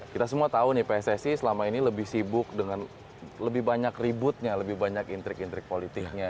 kita semua tahu nih pssi selama ini lebih sibuk dengan lebih banyak ributnya lebih banyak intrik intrik politiknya